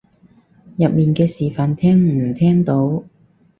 入面嘅示範聽唔聽到？